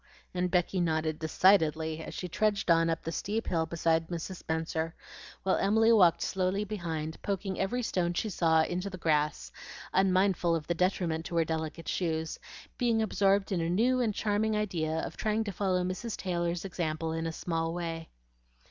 and Becky nodded decidedly, as she trudged on up the steep hill beside Mrs. Spenser, while Emily walked slowly behind, poking every stone she saw into the grass, unmindful of the detriment to her delicate shoes, being absorbed in a new and charming idea of trying to follow Mrs. Taylor's example in a small way.